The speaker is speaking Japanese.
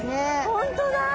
本当だ！